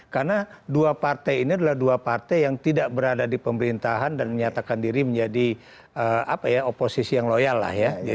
karena dua partai ini adalah dua partai yang tidak berada di pemerintahan dan menyatakan diri menjadi apa ya oposisi yang loyal lah ya